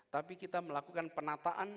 tapi kita melakukan penataan